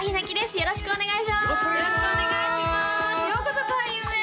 よろしくお願いします